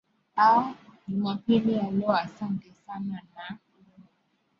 aa jumapili ya leo asante sana na